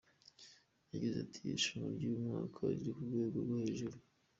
Yagize ati “Irushanwa ry’uyu mwaka riri ku rwego rwo hejuru.